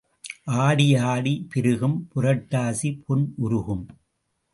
ஆடி அடி பெருகும் புரட்டாசி பொன் உருகும்.